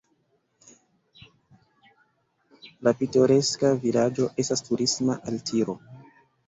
La pitoreska vilaĝo estas turisma altiro.